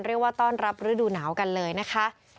เรียกว่าต้อนรับฤดูหนาวกันเลยนะคะ